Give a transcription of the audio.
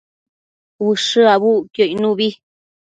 Ushë abucquio icnubi